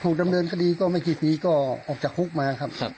ดำเนินคดีก็ไม่กี่ปีก็ออกจากคุกมาครับ